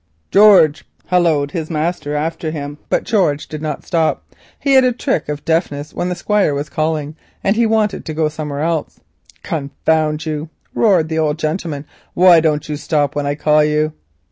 "George," halloaed his master after him, but George did not stop. He had a trick of deafness when the Squire was calling, that is if he wanted to go somewhere else. "Confound you," roared the old gentleman, "why don't you stop when I call you?"